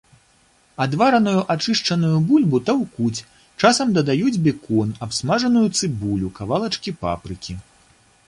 Адвараную ачышчаную бульбу таўкуць, часам дадаюць бекон, абсмажаную цыбулю, кавалачкі папрыкі.